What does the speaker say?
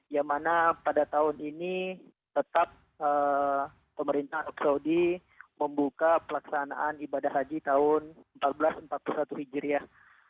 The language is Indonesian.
yang mana pada tahun ini tetap pemerintah arab saudi membuka pelaksanaan ibadah haji tahun seribu empat ratus empat puluh satu hijriah